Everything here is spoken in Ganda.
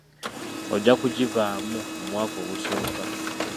Ojja kugivaamu mu mwaka ogusooka.